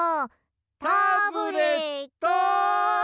タブレットン！